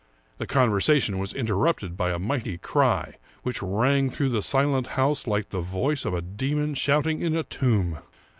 The conversation was interrupted by a mighty cry which rang through the silent house like the voice of a demon shouting in a tomb.